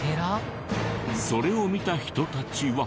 それを見た人たちは。